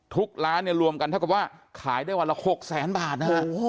ทุกร้านรวมกันถ้าคือว่าขายได้วันละ๖๐๐๐๐๐บาท